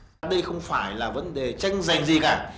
đây không phải là vấn đề tranh giành gì cả